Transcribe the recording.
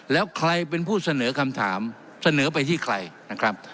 แล้วใครเป็นผู้เสนอคำถามเสนอไปที่ใครนะครับ